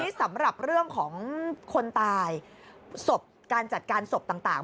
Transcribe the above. นี่สำหรับเรื่องของคนตายศพการจัดการศพต่าง